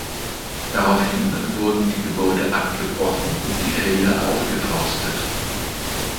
Daraufhin wurden die Gebäude abgebrochen und die Felder aufgeforstet.